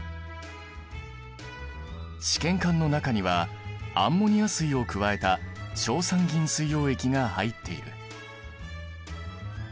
試験管の中にはアンモニア水を加えた硝酸銀水溶液が入っている。